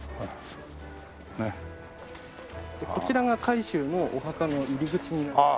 こちらが海舟のお墓の入り口になります。